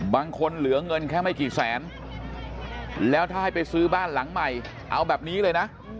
บางคนเหลือเงินแค่ไม่กี่แสนแล้วถ้าให้ไปซื้อบ้านหลังใหม่เอาแบบนี้เลยนะ